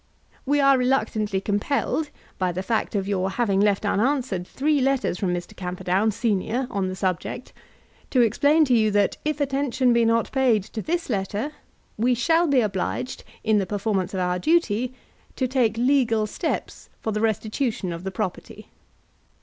We are reluctantly compelled, by the fact of your having left unanswered three letters from Mr. Camperdown, Senior, on the subject, to explain to you that if attention be not paid to this letter, we shall be obliged, in the performance of our duty, to take legal steps for the restitution of the property.